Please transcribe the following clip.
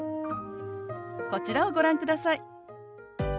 こちらをご覧ください。